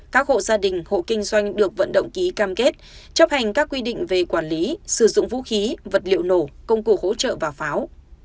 các hộ gia đình hộ kinh doanh được vận động ký cam kết chấp hành các quy định về quản lý sử dụng vũ khí vật liệu nổ công cụ hỗ trợ và pháo